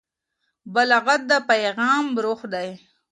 بلاغت د پیغام روح دی.